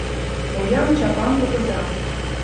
Поян, чапан кугыза